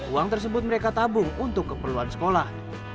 uang tersebut mereka tabung untuk keperluan sekolah